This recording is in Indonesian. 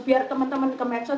biar teman teman ke medsos